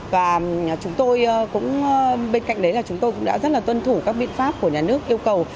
và bên cạnh đấy là chúng tôi cũng đã rất là tuân thủ các biện pháp của nhà nước yêu cầu